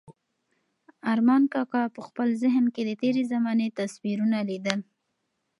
ارمان کاکا په خپل ذهن کې د تېرې زمانې تصویرونه لیدل.